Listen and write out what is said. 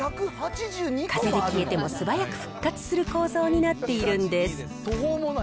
風で消えても素早く復活する構造になっているんです。